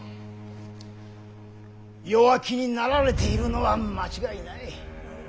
弱気になられているのは間違いない。